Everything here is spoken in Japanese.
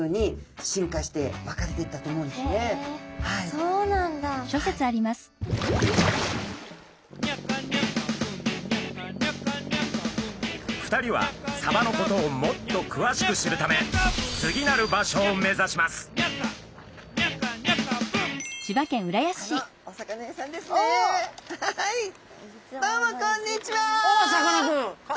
どうもこんにちは。